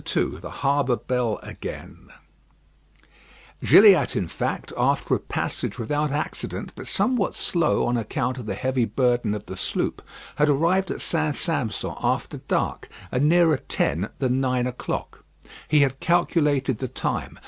II THE HARBOUR BELL AGAIN Gilliatt, in fact, after a passage without accident, but somewhat slow on account of the heavy burden of the sloop, had arrived at St. Sampson after dark, and nearer ten than nine o'clock. He had calculated the time.